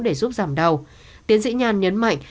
để giúp giảm đau tiến sĩ nhàn nhấn mạnh